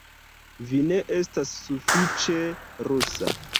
Vi ne estas sufiĉe rusa